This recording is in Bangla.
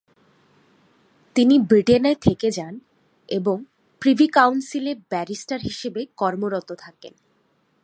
তিনি ব্রিটেনে থেকে যান এবং প্রিভি কাউন্সিলে ব্যারিস্টার হিসেবে কর্মরত থাকেন।